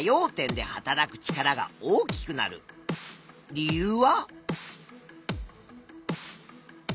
理由は？